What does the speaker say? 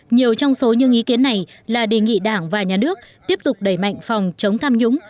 nhiều trong số những ý kiến này là đề nghị đảng và nhà nước tiếp tục đẩy mạnh phòng chống tham nhũng